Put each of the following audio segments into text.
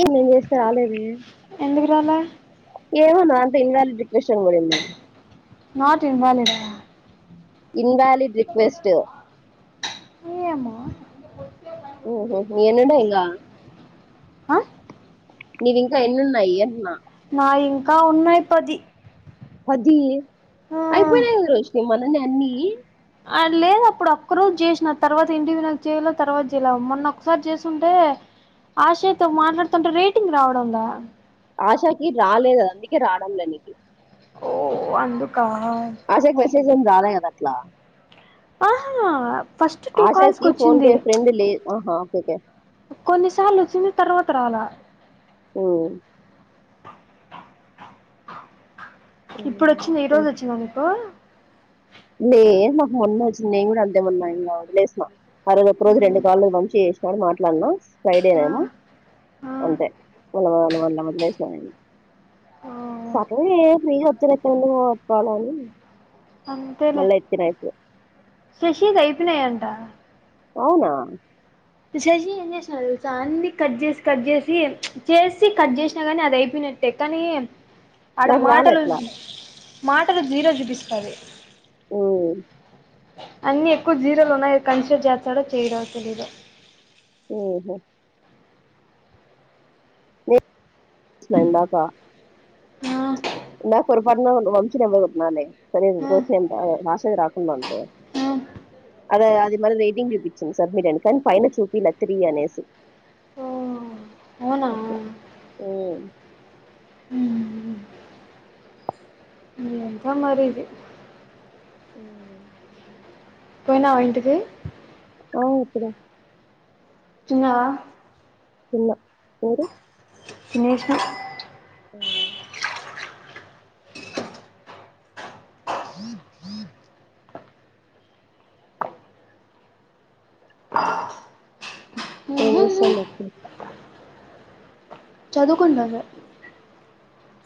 ఏంది నేను పిలిస్తే రాలేదే ఎందుకు రాలా ఏమో నాకు తెలియాలి [unintelligible] నాట్ ఇన్ వాలిడ్ ఆ ఇన్వాలిడ్ రిక్వెస్ట్ ఏమో ఓహోహో ఏందేందో ఇంగ అ నీవింక ఎన్నున్నాయి అంట్న నావింకా ఉన్నాయ్ పది పది ఆ, అయ్ పొయ్నాయి కద రోషిని మంధ్య అన్నీ అర్ లేద్ అప్పుడు ఒక్క రోజ్ చేసిన తర్వాత ఇండివిరల్ చేయలో తర్వాత చేయ్ల మొన్న ఒక్ సారి చేసుంటే ఆశయ్ తొ మాట్లాడుతుంటే రేటింగ్ రావడంలా ఆశాకి రాలేదు అందుకె రావడంల నీకి ఓ అందుక్ ఆ ఆశాకి మెసేజ్ ఏం రాల కదట్ల ఆహా ఫస్ట్ టూ కాల్స్ ఆశాకి ఫోన్ కొచ్చింది పే ఫ్రెండ్ లే ఆహా ఓకే ఓకే కొన్నిసార్లు వొ చ్చిన్ తర్వాత క రాల ఓ ఇప్పుడొచ్చింది ఈ రోజొచ్చిందా నీకు లే మాక్ మొన్నె వచ్చింది నేన్ కూడా అంతె మొన్న ఇంగ వదిలేసిన ఆరోజు ఒక్కరోజు రెండు ఉమ్, కాళ్లు వంశీ చే మరి మాట్లాడనా ఫ్రైడే ఆ, నేమో ఆ, అంతే మల్ల వల్ల వదిలేసా నేను ఓ, సరేలే ఫ్రీగా రేపు నుండి పోతానాని ఇ అంతంతేలే శశి కి అయిపోయినాయనే ఆ అవునా శశి ఏం చేసిన నాడు తెలుస అన్ని కట్ చేసి కట్ చేసి చేసి కట్ చేసినా కాగాని అది అయిపోయినట్టే కానీ ఆడ నాకు రాలే మాటలు అట్లా మాటలు జీరో చూపిస్తాది ఊ అన్ని ఎక్కువ జీరోలు ఉన్నాయి కన్సిడర్ చేస్తాడ చేయడో తెలిదు ఉహు ఏ నైన్ దాకా ఆ ఇందాక పొరపాటున వంశీ నెంబర్ కొట్టిన లే అదేంది ఆ దోస్త్ ఏంది మా సైడు రా ఉందంటే ఆ అదే అది మళీ రేటింగ్ చూపించింది సబ్మిట్ అని కానీ పైన చూపియ్యలే త్రీ అనేసి ఓ అవునా హు ఎంతో మరి ఇది ఊ పోయినావ ఇంటికి బావ వొత్తడ తిన్నవా తిన్న మీరు తినేషినా అవునా ఏం ఉహు చేస్తానావు ఇప్పుడు చదువుకుంటునాను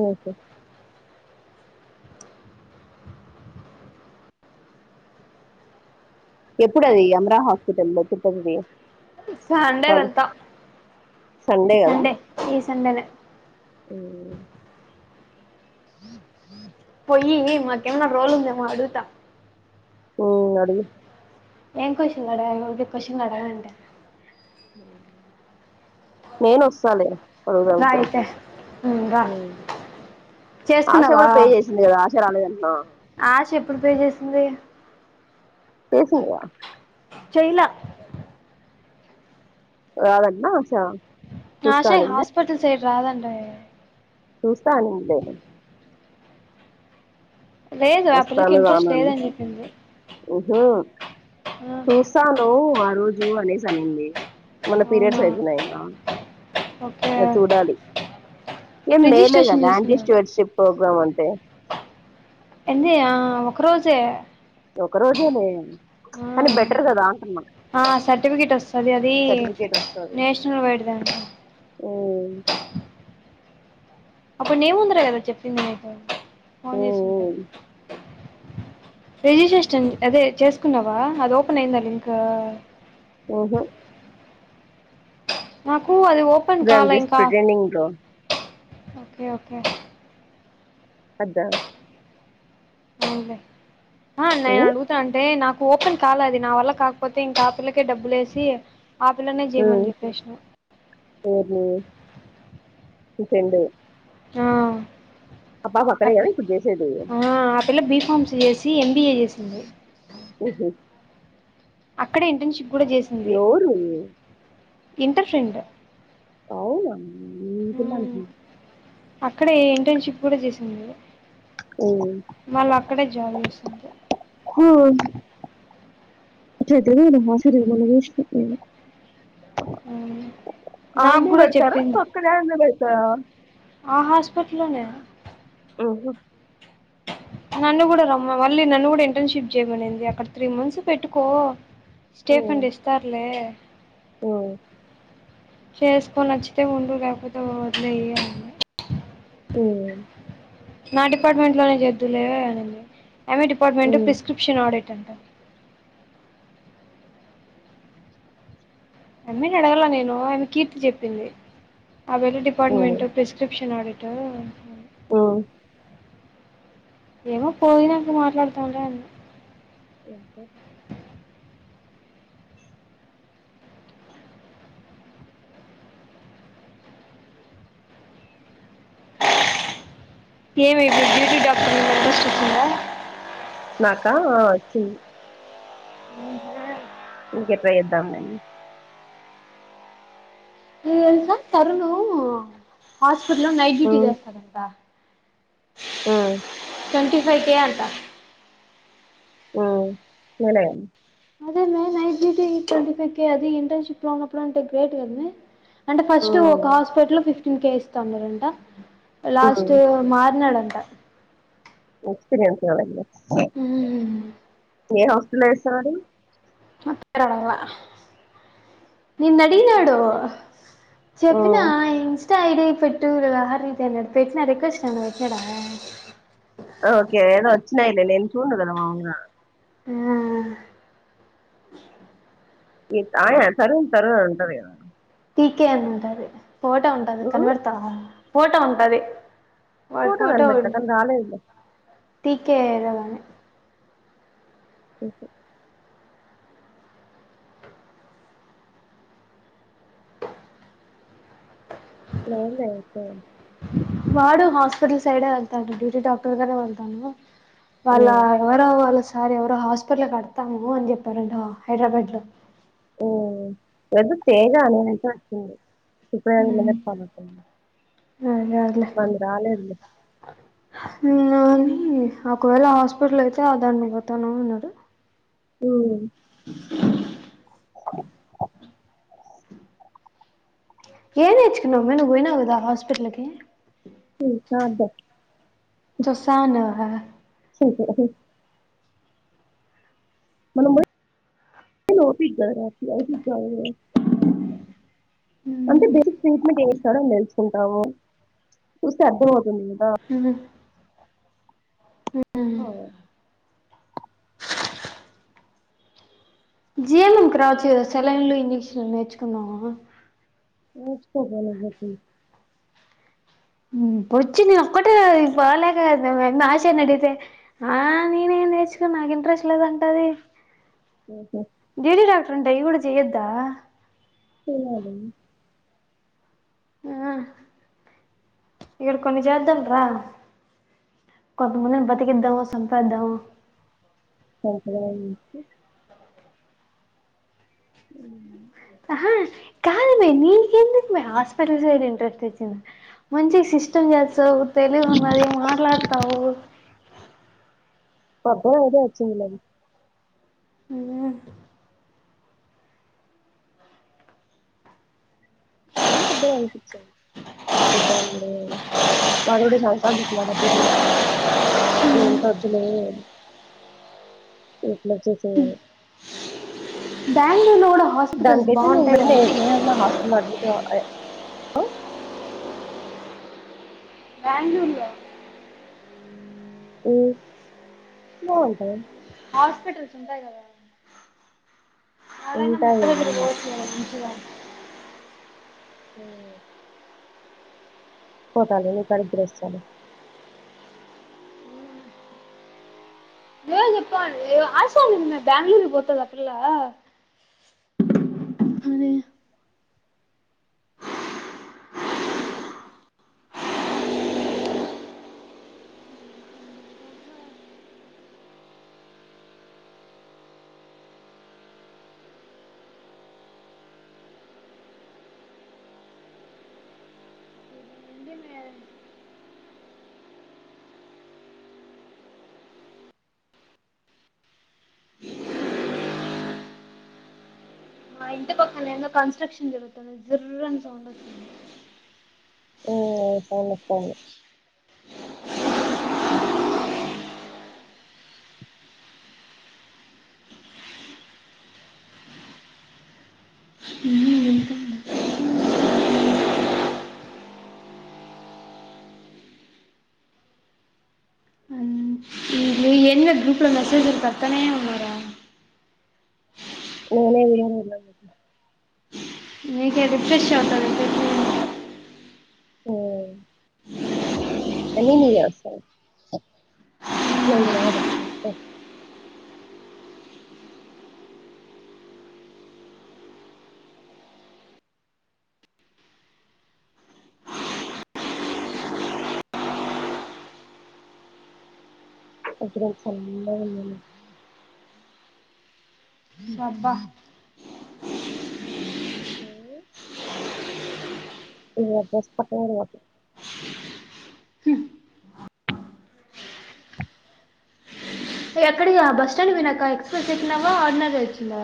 ఉహు ఎప్పుడు అది అమరా హాస్పిటల్ లో తిప్పపుది సండే వెళ్తా సండే ఈ సండేనే ఊ పోయ్యి మాకు ఏమన్నా రోల్ ఉందేమో అడుగుతా హు అడుగు ఏం కొశన్లు అడగాలి నువ్వె కోషన్ అడగఅంటే నేను వస్తాలే పోదాం రా ఇద్దరం అయితే ఉమ్, రా హు ఆశ కూడా పే చేసింది కదా ఆశ జ రాలేదన్న ఆ చెపు ఇప్పుడు పే చేసింది చేసింది వా చెలా రాదట్న ఆశ చూస్తా ఆశయ్ అనిందా హాస్పటల్ సైడు రాదంటే చూస్తా అనిండే లేదు ఆ పిల్లకి ఇంట్రెస్ట్ లేదని చెప్పింది ఊహ ఆ, చూసాను ఆ రోజు అనేసి అనింది ఏమన అవునా పీరియడ్స్ అయితున్నాయి ఏమో రా ఓకే ఆ చూడాలి ఏం మేలే రిజిస్ట్రేషన్ గదా ఆంటీ చేసుకున్నావు స్టోర్షిప్ ప్రోగ్రామ్ అం టె ఎంది ఆ ఒక రోజే ఒక రోజే లే ఆ సర్టిఫికెట్ వస్తది అది సర్టిఫికేట్ వస్తది నేషనల్ వైడ్ దంటా ఉమ్ అప్పుడు నీ ముందరే కదా చెప్పింది నీతో ఫోన్ ఉమ్ చేసి ఉంటయి ఉమ్ రిజిస్ట్రేషన్ అదే చేసుకున్నావా అది ఓపెన్ అయిందా లింక్ ఓహో మాక్ పూ అది ఓపన్ దే ఆర్ కాలే జస్ట్ ఇంకా ప్రిటెండింగ్ బ్రో ఓకే ఓకే అదా అవున్లే ఆ నేను ఉమ్ అడుగుతాంటే నాకు ఓపెన్ కాల అది నా వల్ల కాకపోతే ఇంకా ఆ పిల్లకే డబ్బులేసి ఆపిల్లనే ఉమ్ చేయమని చెప్పేసిన నీ ఫ్రెండు ఆ ఆ పాపఫక్కడే కదా ఇప్పుడు జేసేది ఆ, ఆ పిల్ల బీకామ్ చేసి ఎంబీఏ చేసింది. ఓహో అక్కడ ఇంన్టెన్షిప్ ఎవ్రు నువ్వు ఇంటర్ ఫ్రెండ్ అవున నేన్ ఈ పిల్ల ఉమ్. అనుకున్న అక్కడే ఇంటెన్షిప్ కూడా చేసింది. మళ్ళ అక్కడే జాబ్ చేస్థాంది. [unintelligible] ఉమ్. నాకు ఆన్నే కూడా పెడతారా చెప్పింది పక్కనయాడన్న పెడ తా ఆ హాస్పిట్లోనే ఒహో నన్ను కూడా రమ్మ మళ్ళీ నన్ను కూడా ఇంటేన్షిప్ చేయమనింది అక్కడ త్రీ మంత్స్ పెట్టుకో స్టే ఫన్డ్ ఇస్తారులే ఓ చేసుకో నచ్చితే ఉండు లేకపోతే వదిలేయి అన్న ఓ నా డిపార్ట్మెంట్ లోనే చేద్దులువే అనింది. ఎమ్ఏ డిపట్మెంట్ ఉ ప్రిస్క్రిప్షన్ ఆడిటర్ [inaudible] అమ్మేనడగల నేను ఆమె కీర్తి చెప్పింది. ఆ వెలే డిపార్ట్మెంట్ ప్రిస్క్రిషన్ ఆడిట రంట ఆ ఏమో పోయినంకు మాట్లాడుతామ్లే అన్న ఏంటది ఏమి ఇప్పుడు బ్యూటీ డాక్టర్ అడ్రస్ చెప్పిందా నాకా ఆ చి ఇంకెప్ [unintelligible] చేద్దాం అని గ తరుణు ఆష్ స్పిటల్లో నైట్ ఉ డ్యూటీ చేస్తాడంట ఉ ట్వంటీ ఫైవ్ కే అంట ఉమ్ పోలేయన్ అదే మే night duty [inaudible] twenty five K అది ఇంటర్న్షిప్ లో ఉన్నప్పుడు అంటే గ్రేట్ కద మే అంటే ఉ ఫస్ట్ ఒక హాస్పిటల్ లో ఫిఫ్టీన్ కే ఇస్ తొందరంట ఉ లాస్ట్ మార్నాడన్ ట ఎక్స్పీరియన్స్ కావాల్లే ఊమ్మ్ ఏ హాస్పిటల్ లో చేస్తనాడు [unintelligible] నిన్ అడిగినాడు ఉ చెప్పిన [inaudible] స్టా ఐడి పెట్టు లహరి ది అన్నాడు పెట్నా రక్వెస్ట్ ఏమన్నా పెట్నాడా ఓకే ఏదో వచ్చినాయిలే నేను చూడను కదా మామూలుగా ఆ ఏత్ ఆయా తరుణ్ తరుణ్ అనుంటది కదా టీ కే అనుంటాది ఫోటా ఉంటది ఉమ్, కనిబెడతారా ఫోటో ఉంటాది వాడి ఫోటో కనిపెడతా ఉన్ కానీ రాలేదు టీ కే కదానే ఓకే లోన్ లే ఐతే వాడు హాస్పిటల్ సైడే వెళ్తాడు డ్యూటీ డాక్టర్ కానే ఉంటాను వాళ్ళ ఎవరో వాళ్ళ సార్ ఎవరో హాస్పెటల్ కడతాము అని చెప్పారంట హైదరాబాడ్ లో ఉమ్ ఏదో తేగానే అనిన్పడుతుంది [inaudible] పనుంటుంది అదే అదిలే మంది రాలేదులే నినాని ఒకవేళ హాస్పిటల్ అయితే ఆ దాంట్లో పోతాన్నాం అన్నారు ఊమ్మ్ [inaudible] ఏం నేర్చుకున్నావ్ మే నువ్ పోయినావ్ గదా హాస్పిటల్ కి హు ఆ అంతే చూసాను హా [inaudible] మనము పోయి ఓపి కదరా [inaudible] కాదు కదా. అంటే బెసిక్ ట్రీట్మెంట్ ఏంఇస్తాడో అని తెల్సుకుంటాము. చూస్తే అర్ధంమవుతుంది నీ హ్ [inaudible] జిఎన్ఏమ్ క్రావచ్చు కదా సెలైన్లు, ఇంజెక్షన్లు నేర్చుకున్నావు. నేర్చుకోగల చెప్పి హ్ వచ్చింది నేను ఒక్కటే బాలేక నేను వెళ్ళి ఆశను అడిగితే ఆ నేనేం నేర్చుకోను నాకు ఇంట్రెస్ట్ లేదంటది. లేడి డాక్టర్ అంట ఇవిడ చేయోద్దా. చెయ్యాలేమో ఆ ఇక్కడ కొన్ని చేద్దాం రా. కొంత మందిని బతికిద్దామ, సంపెద్దామా [inaudible] నుంచి ఉ ఆహా కాదమ్మి నీకెందుకు అమ్మి హాస్పిటల్ సైడ్ ఇంట్రెస్ట్ వచ్చింది. మంచిగా సిస్టమ్ చేస్తవు. తెలిదు మరి మాట్లాడతావు. [inaudible] అయితే వచ్చిందిలే అది. అ ఏం పెద్దగా అనిపిచ్చదు. [inaudible] వాళ్ళు కూడా సంవత్సరాలు తిప్పినారు నాకు [inaudible] ఇదంత వద్దులే ఇంటికి వచ్చేసయ్ అని. బ్యాంగుళూర్లో కూడా హాస్పిటల్స్ దానికైతే నువ్వు బాగుంటాయి వెంటనే కదా ఏమనా హాస్పిటల్లో అడ్మిట్ అవ అయి బ్యాంగుళూరులో హ్ బావుంటయి. హాస్పిటల్స్ ఉంటాయి కదా. ఆడ అయినా మీ ఉంటాయి అత్త దగ్గరికి ఉమ్ పోవచ్చు కదా మంచిగా. హ పోతాలే నీ కాడికి కూడా వస్తాలే. ఏం చెప్పాలి. ఆశా నిన్న బ్యాంగళూరు పోతది ఆ పిల్లా. మా ఇంటి పక్కన ఎందో కన్స్ట్రక్షన్ జరుగుతుంది. జుర్రు అని సౌండ్ వస్తుంది. ఓ పోని పోన్నే ఎన్న గ్రూప్లో మెసేజ్లు పెడతనేే ఉన్నారా. ఏమైంది [inaudible] మీకే రిఫ్రెష్ అవుతా [inaudible] ఓ అన్ని నీయే వస్తనయి. ఎందినాదా? [inaudible] సల్లగా ఉందండి. బాబా హ ఇ దస్త్ పోరే ఎక్కడికి అ బస్ స్టాండ్ వినాక ఎక్స్ప్రెస్ ఎక్కినావా అడినద వచ్చిందా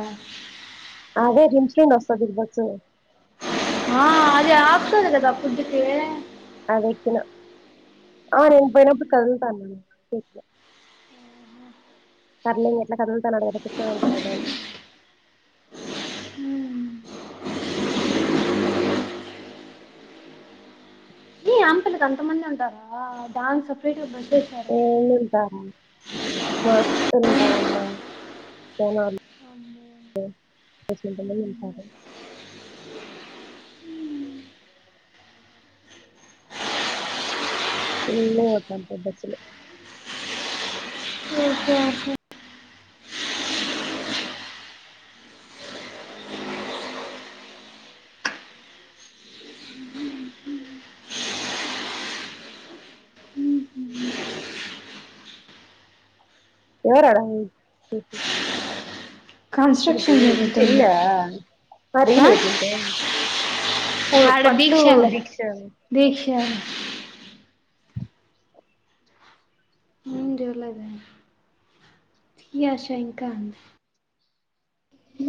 అదే రించ్ నూ వస్తది బస్సు ఆ అదే ఆపుతది కదా ఫుడ్ తినే అదకినా ఆ నేను పోయినప్పుడు కదులుతా సర్లింగ్ ఎట్లా కదుల్ తా అన్నాడో కూర్చోడు గద ఆంత పెద్ద అంతమంది ఉంటారా డాన్స్ సపరేట్ డ్రస్ ఏంమిట మస్తుంటన్ మా ఉంటారు ఇలా మంట పెచ్చులు ఎవరు అడాయి మీ కన్స్ట్రక్షన్ జరుగుతుంది చెల్లా అ రీలు పెట్టుంటే హడ దీక్షాల దీక్ష ఏం ఇది యాష ఇంకా హ